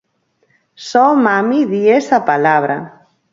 Só mami di esa palabra.